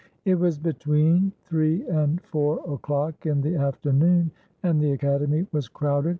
It was between three and four o'clock in the afternoon, and the Academy was crowded.